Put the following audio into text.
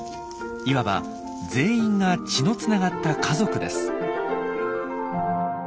いわば全員が血のつながった家族です。